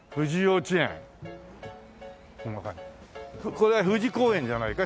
これは富士公園じゃないか？